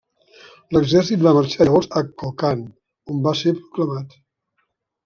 L'exèrcit va marxar llavors a Kokand on va ser proclamat.